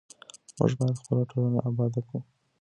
موږ باید خپله ټولنه اباده کړو.